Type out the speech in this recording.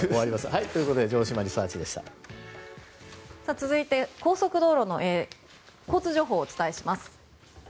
続いて、高速道路の交通情報をお伝えします。